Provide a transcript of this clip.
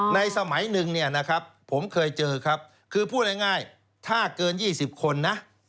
สมัยหนึ่งเนี่ยนะครับผมเคยเจอครับคือพูดง่ายถ้าเกิน๒๐คนนะ